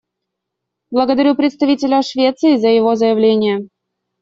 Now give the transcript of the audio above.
Благодарю представителя Швеции за его заявление.